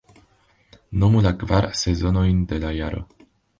Nomu la kvar sezonojn de la jaro.